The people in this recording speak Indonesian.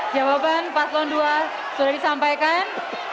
jawaban paslon dua sudah disampaikan